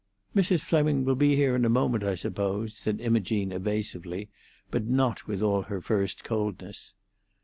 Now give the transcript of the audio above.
"Mrs. Fleming will be here in a moment, I suppose," said Imogene evasively, but not with all her first coldness.